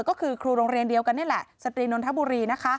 ก็คือครูโรงเรียนเดียวกันนี่แหละสตรีนนทบุรีนะคะ